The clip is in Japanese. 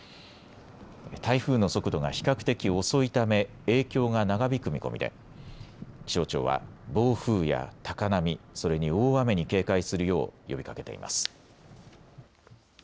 台風の速度が比較的遅いため影響が長引く見込みで気象庁は暴風や高波、それに大雨に警戒するよう呼びかけています。